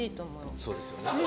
そうですよね。